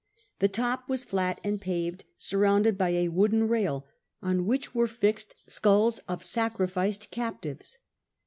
The top was flat and paved, surrounded by a Avooden mil, on 'which were fixed skulls of sacrificed cai)tivcs.